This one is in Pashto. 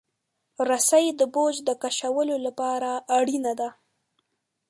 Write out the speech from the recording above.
رسۍ د بوج د کشولو لپاره اړینه ده.